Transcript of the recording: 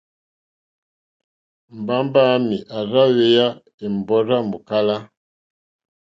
Mbamba wàami à rza hweya è mbɔrzi yà mòkala.